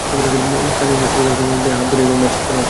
স্থানীয় মৎস্য বিভাগের কর্মকর্তাকে হাত করেই এভাবে মাছ চাষ করা হচ্ছে।